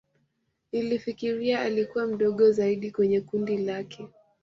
Nilifikiri alikua mdogo zaidi kweye kundi lake